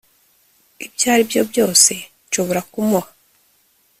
ibyo aribyo byose nshobora kumuha